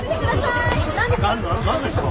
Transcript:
何ですか？